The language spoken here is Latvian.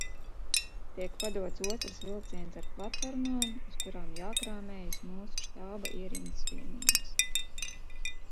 Tiek padots otrs vilciens ar platformām, uz kurām jākrāmējas mūsu štāba ierindas vienības.